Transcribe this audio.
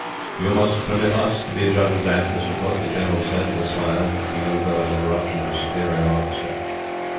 "You must permit us to be a judge of that, Mr. Brooke," the general said, with a smile at the young fellow's interruption of his superior officer.